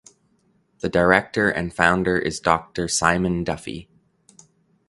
The Director and founder is Dr Simon Duffy.